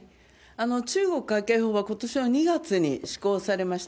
中国海警法は、ことしは２月に施行されました。